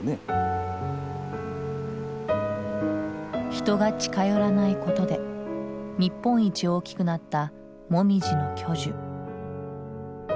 人が近寄らないことで日本一大きくなったモミジの巨樹。